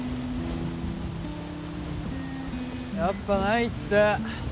やっぱないって。